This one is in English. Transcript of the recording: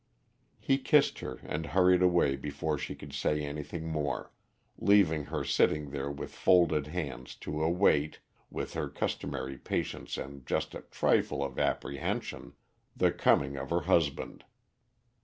He kissed her and hurried away before she could say anything more, leaving her sitting there with folded hands to await, with her customary patience and just a trifle of apprehension, the coming of her husband.